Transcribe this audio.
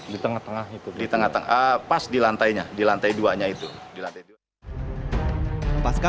di tengah tengah itu di tengah tengah pas di lantainya di lantai dua nya itu di lantai dua pasca